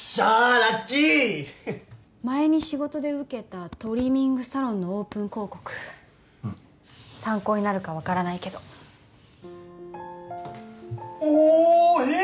ラッキー前に仕事で受けたトリミングサロンのオープン広告参考になるか分からないけどおっ！